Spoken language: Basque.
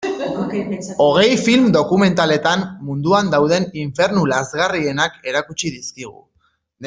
Hogei film dokumentaletan munduan dauden infernu lazgarrienak erakutsi dizkigu.